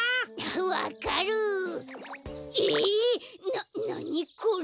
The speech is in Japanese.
ななにこれ！